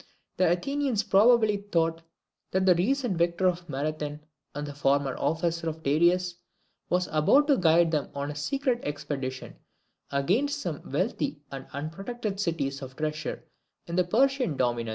The Athenians probably thought that the recent victor of Marathon, and former officer of Darius, was about to guide them on a secret expedition against some wealthy and unprotected cities of treasure in the Persian dominions.